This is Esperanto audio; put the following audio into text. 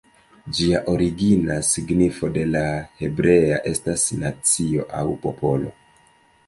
Ĝia origina signifo de la hebrea estas "nacio" aŭ "popolo".